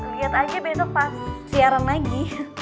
lihat aja besok pas siaran lagi